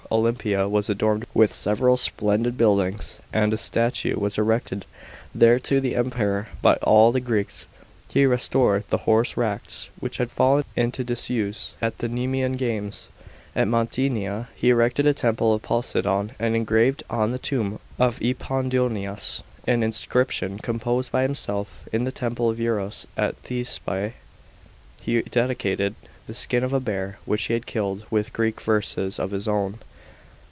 Olympia was adorned with several splendid buildings, and a statue was erected there to the Emperor by all the Greeks. He restored the horse racts, which had fallen into disuse, at the Nemean games. At Mantinea he erected a temple of Poseidon, and engraved on the tomb of Epaminondas an inscription composed by himself. In the temple of Eros at Thespiae he dedicated the skin of a bear, which he had killed, with Greek verses ot his own.